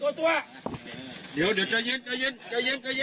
กูชอบติดคุกเลย